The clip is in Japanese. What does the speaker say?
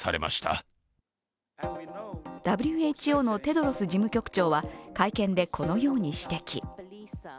ＷＨＯのテドロス事務局長は会見でこのように指摘。